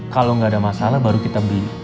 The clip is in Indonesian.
kalau nggak ada masalah baru kita beli